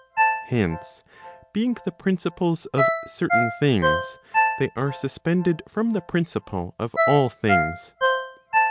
Hence, being the principles of certain things, they are suspended from the principle of all things.